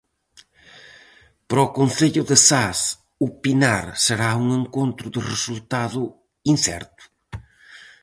Para o concello de Zas, O Pinar será un encontro de resultado incerto.